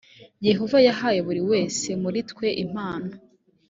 yehova yahaye buri wese muri twe impano